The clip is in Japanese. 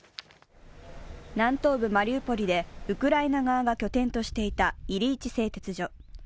南東部マリウポリでウクライナ側が拠点としていたイリイチ製鉄所。